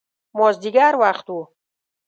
مازدیګر وخت و.